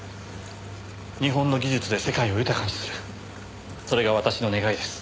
日本の技術で世界を豊かにするそれが私の願いです。